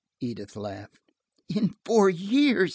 Edith laughed. "In four years!"